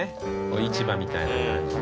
市場みたいな感じに。